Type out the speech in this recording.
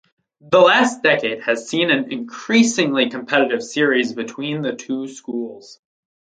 The last decade has seen an increasingly competitive series between the two schools.